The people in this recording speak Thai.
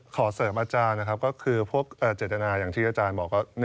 ขอเสริมอาจารย์นะครับก็คือพวกเจตนาอย่างที่อาจารย์บอกว่า